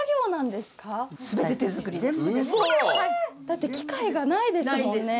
だって機械がないですもんね。